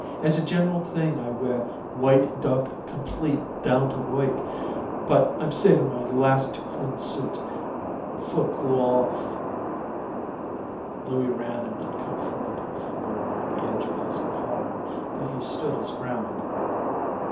As a gen'ral thing I wear white duck complete down t' work, but I'm savin' my last two clean suits f'r gawlf." Louie ran an uncomfortable finger around the edge of his collar, but he stood his ground.